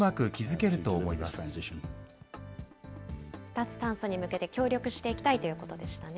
脱炭素に向けて協力していきたいということでしたね。